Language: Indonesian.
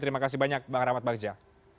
terima kasih banyak bang rahmat bagja